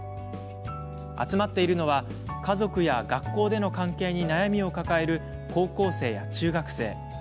集まっているのは家族や学校での関係に悩みを抱える、高校生や中学生。